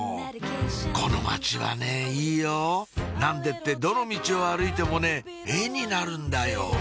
この街はねいいよ何でってどのミチを歩いてもね絵になるんだよ